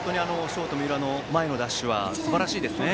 ショート三浦の前へのダッシュはすばらしいですね。